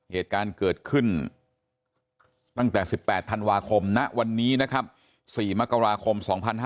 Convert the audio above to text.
เหตุการณ์เกิดขึ้นตั้งแต่๑๘ธันวาคมณวันนี้นะครับ๔มกราคม๒๕๕๙